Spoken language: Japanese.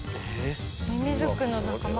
ミミズクの仲間？